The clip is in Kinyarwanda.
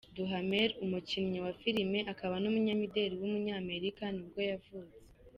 Josh Duhamel, umukinnyi wa filime akaba n’umunyamideli w’umunyamerika nibwo yavutse.